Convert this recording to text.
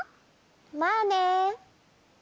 まあね。